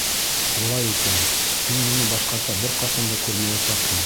Улай икән, һин мине башҡаса бер ҡасан да күрмәйәсәкһең!